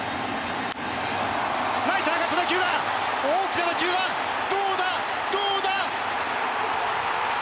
ライト、上がった打球は大きな打球はどうだ、どうだ。